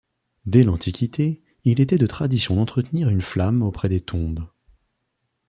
Dès l'Antiquité, il était de tradition d'entretenir une flamme auprès des tombes.